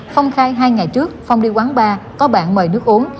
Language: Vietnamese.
phong khai hai ngày trước phong đi quán bar có bạn mời nước uống